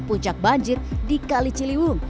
puncak banjir di kali ciliwung